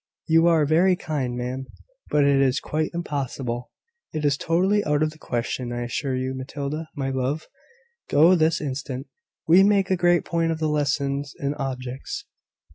"You are very kind, ma'am, but it is quite impossible. It is totally out of the question, I assure you. Matilda, my love, go this instant. We make a great point of the lessons on objects.